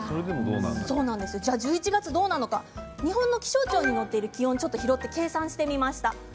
では１１月はどうなのか日本の気象庁に載っているデータを計算してみました。